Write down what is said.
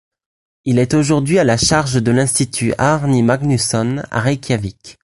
Il est aujourd'hui à la charge de l'Institut Árni Magnússon, à Reykjavik.